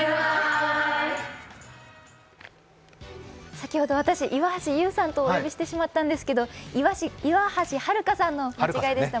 先ほど私、「いわはしゆう」さんとお呼びしてしまったんですけど、岩橋悠さんの間違いでした。